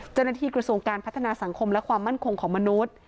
เจ้าหน้าที่กระทรวงการพัฒนาสังคมและความมั่นคงของมนุษย์